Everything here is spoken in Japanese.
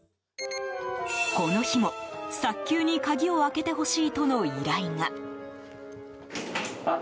この日も、早急に鍵を開けてほしいとの依頼が。